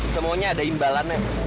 semuanya ada imbalannya